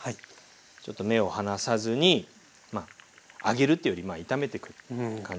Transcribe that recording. ちょっと目を離さずに揚げるっていうより炒めてく感じですね。